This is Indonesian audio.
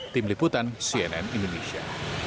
tim liputan cnn indonesia